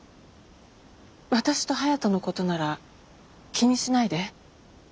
私と颯人のことなら気にしないで。